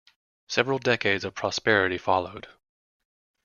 Several decades of prosperity followed.